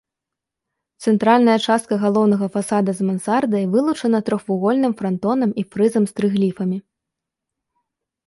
Цэнтральная частка галоўнага фасада з мансардай вылучана трохвугольным франтонам і фрызам з трыгліфамі.